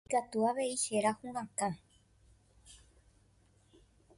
Ikatu avei héra hurakã.